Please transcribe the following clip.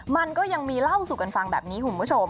มันก็ยังมีเล่าสู่กันฟังแบบนี้คุณผู้ชม